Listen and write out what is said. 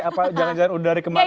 apa jangan jangan dari kemarin